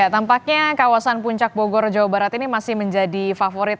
tampaknya kawasan puncak bogor jawa barat ini masih menjadi favorit